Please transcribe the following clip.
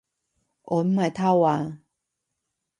我唔係偷啊